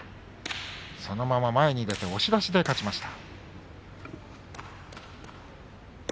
そのまま前に出て押し出しで勝ちました。